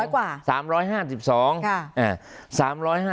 ๓๐๐กว่า